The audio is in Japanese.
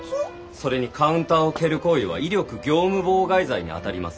それにカウンターを蹴る行為は威力業務妨害罪にあたります。